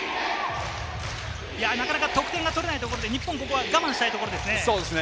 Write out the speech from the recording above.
なかなか得点が取れないところで日本は我慢したいところですね。